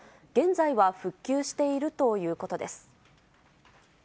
現在は復旧しているということです。